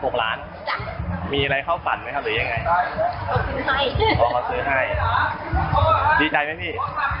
กี่ใบครับพี่